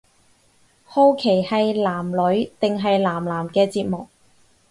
好奇係男女定係男男嘅節目